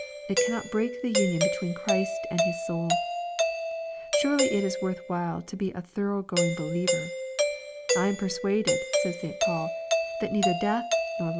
It cannot break the union between Christ and his soul. Sorely it is worth while to be a thorough going believer I 1 am persuaded," says St.Paul^ ''that neither death, noi LUKE, CHAP.